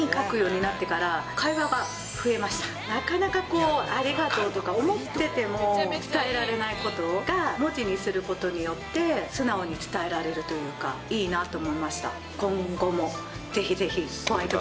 なかなかこう「ありがとう」とか思ってても伝えられないことが文字にすることによって素直に伝えられるというかいいなと思いました